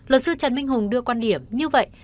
luật sư trần minh hùng đưa quan điểm như vậy